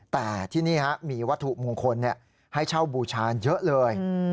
แต่ที่นี่มีวัตถุมงคลให้เช่าบูชาเยอะเลย